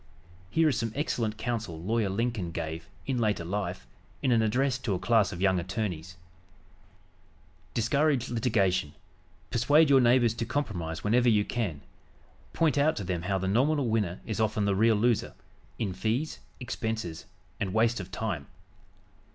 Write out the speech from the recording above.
Here is some excellent counsel Lawyer Lincoln gave, in later life, in an address to a class of young attorneys: "Discourage litigation. Persuade your neighbors to compromise whenever you can. Point out to them how the nominal winner is often the real loser in fees, expenses and waste of time.